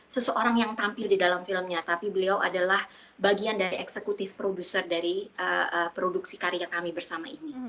seseorang yang tampil di dalam filmnya tapi beliau adalah bagian dari eksekutif produser dari produksi karya kami bersama ini